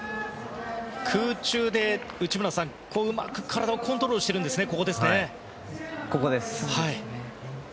空中でうまく体をコントロールしているんですね。